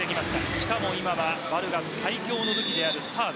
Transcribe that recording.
しかも今はバルガス最強の武器であるサーブ。